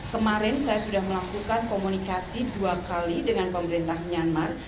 kemarin saya sudah melakukan komunikasi dua kali dengan pemerintah myanmar